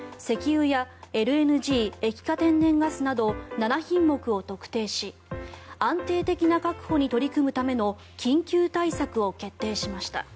石油やＬＮＧ・液化天然ガスなど７品目を特定し安定的な確保に取り組むための緊急対策を決定しました。